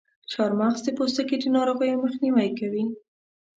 چارمغز د پوستکي د ناروغیو مخنیوی کوي.